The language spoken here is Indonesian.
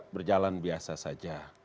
berjalan biasa saja